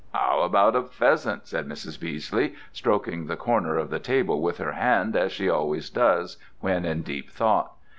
"'Ow about a pheasant?" said Mrs. Beesley, stroking the corner of the table with her hand as she always does when in deep thought.